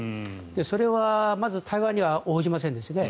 それは、まず対話には応じませんですね。